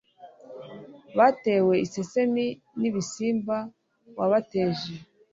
batewe iseseme n'ibisimba wabateje,